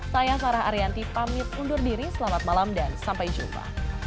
saya sarah arianti pamit undur diri selamat malam dan sampai jumpa